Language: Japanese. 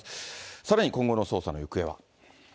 さらに今後の捜査の行方は。